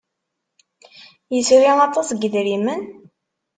Yesri aṭas n yidrimen?